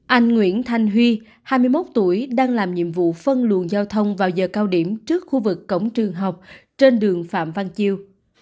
anh nguyễn thanh huy hai mươi một tuổi đang làm nhiệm vụ phân luồng giao thông vào giờ cao điểm trước khu vực cổng trường học trên đường phạm văn chiêu